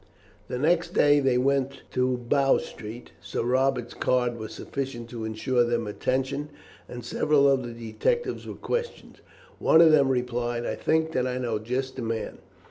The next day they went to Bow Street. Sir Robert's card was sufficient to ensure them attention, and several of the detectives were questioned. One of them replied, "I think that I know just the man.